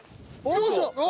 よいしょ！